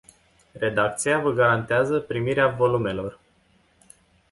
Redacția vă garantează primirea volumelor.